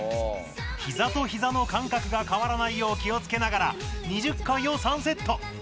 ひざとひざの間隔が変わらないよう気をつけながら２０回を３セット。